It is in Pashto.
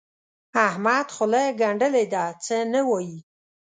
احمد خوله ګنډلې ده؛ څه نه وايي.